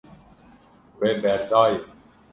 We berdaye.